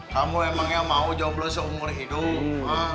kamu emangnya mau joblos seumur hidup